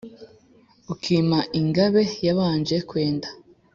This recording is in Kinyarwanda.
Ukima Ingabe yabanje kwenda !